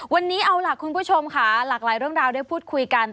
วันนี้เอาล่ะคุณผู้ชมค่ะหลากหลายเรื่องราวได้พูดคุยกัน